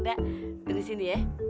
tunggu disini ya